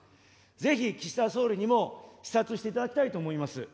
ぜひ岸田総理にも、視察していただきたいと思います。